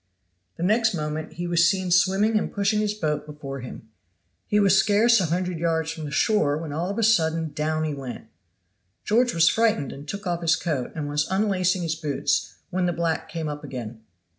The next moment he was seen swimming and pushing his boat before him. He was scarce a hundred yards from the shore when all of a sudden down he went. George was frightened and took off his coat, and was unlacing his boots when the black came up again.